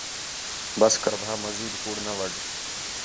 بس کر بَھا مزید کُوڑ نہ وَڈھ